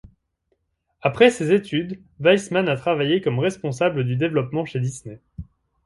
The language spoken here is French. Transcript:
Après ses études, Weisman a travaillé comme responsable du développement chez Disney.